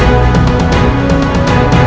awas dibunuh dia